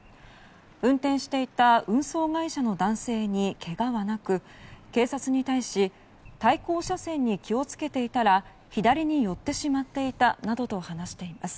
運転していた運送会社の男性にけがはなく警察に対し対向車線に気を付けていたら左に寄ってしまっていたなどと話しています。